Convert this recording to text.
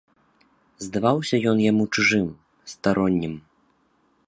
Здаваўся ён яму чужым, староннім.